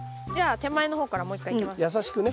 じゃあ手前の方からもう一回いきます。